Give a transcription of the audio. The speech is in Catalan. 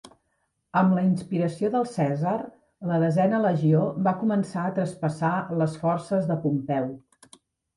Amb la inspiració del Cèsar, la desena legió va començar a traspassar les forces de Pompeu.